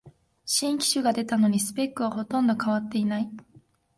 新機種が出たのにスペックはほとんど変わってない